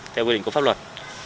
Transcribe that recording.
theo quy định của pháp luật